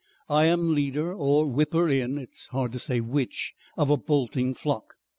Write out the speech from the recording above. I am leader or whipper in, it is hard to say which, of a bolting flock....